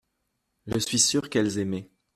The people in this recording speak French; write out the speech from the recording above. Je suis sûr qu’elles aimaient.